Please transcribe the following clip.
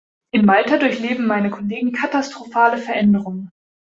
In Malta durchleben meine Kollegen katastrophale Veränderungen.